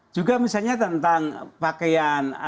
juga misalnya tentang pakaian